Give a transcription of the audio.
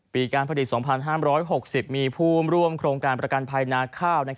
การผลิต๒๕๖๐มีผู้ร่วมโครงการประกันภัยนาข้าว